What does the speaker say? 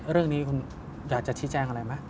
เรื่องนี้คุณอยากจะชี้แจ้งอะไรไหม